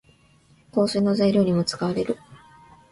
香水の材料にも使われる。